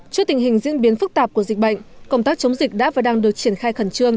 trước tình hình diễn biến phức tạp của dịch bệnh công tác chống dịch đã và đang được triển khai khẩn trương